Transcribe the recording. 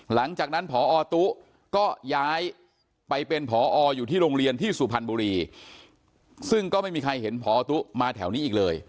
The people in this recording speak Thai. หลังจากนั้นพอตุ๊ก็ย้ายไปเป็นผออยู่ที่โรงเรียนที่สุพรรณบุรีซึ่งก็ไม่มีใครเห็นพอตุ๊มาแถวนี้อีกเลย